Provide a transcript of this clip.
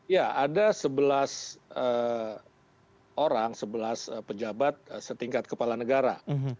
ya ada sebelas orang sebelas pejabat setingkat kepala negara